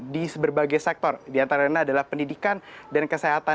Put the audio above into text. di berbagai sektor di antara lainnya adalah pendidikan dan kesehatan